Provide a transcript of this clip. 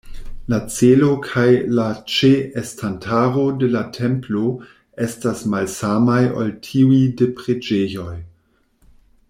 La celo kaj la ĉe-estantaro de la templo estas malsamaj ol tiuj de preĝejoj.